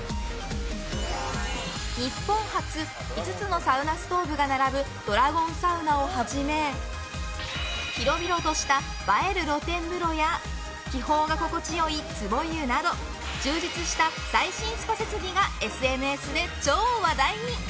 日本初５つのサウナストーブが並ぶドラゴンサウナをはじめ広々とした映える露天風呂や気泡が心地よい壺湯など充実した最新スパ設備がＳＮＳで超話題に！